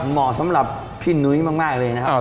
เหมาะสำหรับพี่หนุ้ยมากเลยนะครับ